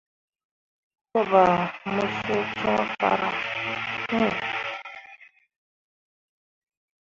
Te bah mu suu cõo farah hii.